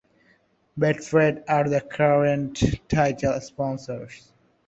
Betfred are the current title sponsors.